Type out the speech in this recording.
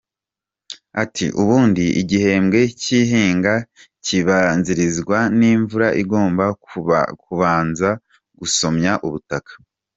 Ati «Ubundi igihembwe cy’ihinga kibanzirizwa n’imvura igomba kubanza gusomya ubutaka.